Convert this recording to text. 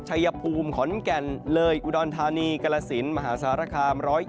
ชัยภูมิขอนแก่นเลยอุดรธานีกรสินมหาสารคาม๑๐